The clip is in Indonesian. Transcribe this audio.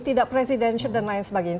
tidak presidensial dan lain sebagainya